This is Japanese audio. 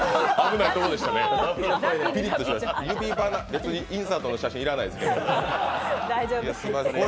別にインサートの写真要らないですけどね。